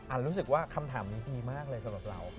รู้สึกว่าคำถามนี้ดีมากเลยสำหรับเรา